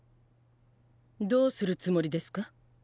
どうするつもりですか？